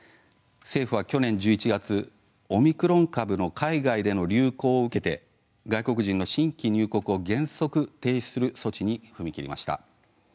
政府は去年１１月オミクロン株の海外での流行を受けまして外国人の新規入国を原則停止する措置に踏み切りました。